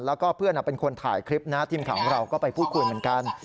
แล้วก็เพื่อนเป็นคนถ่ายคลิปนะทีมข่าวของเราก็ไปพูดคุยเหมือนกัน